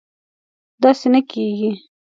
داسې نه کېږي